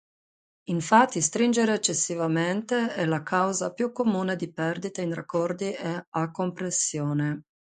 Infatti, stringere eccessivamente è la causa più comune di perdite in raccordi a compressione.